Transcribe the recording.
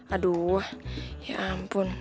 aduh ya ampun